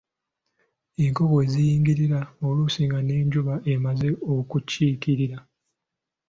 Ng'enkoko we ziyingirira, oluusi nga n'enjuba emaze okukkirira.